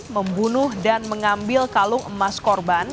membunuh dan mengambil kalung emas korban